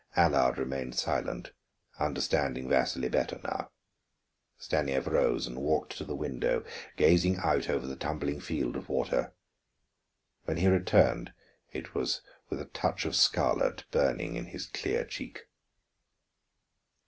Allard remained silent, understanding Vasili better now. Stanief rose and walked to the window, gazing out over the tumbling field of water. When he returned it was with a touch of scarlet burning in his clear cheek.